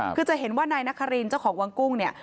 คือจะเห็นว่านายนครินเจ้าของวังกุ้งเนี่ย